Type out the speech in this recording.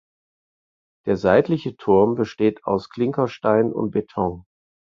Der seitliche Turm besteht aus Klinkersteinen und Beton.